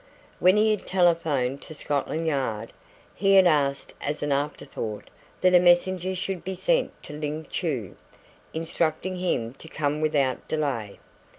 When he had telephoned to Scotland Yard he had asked as an after thought that a messenger should be sent to Ling Chu, instructing him to come without delay.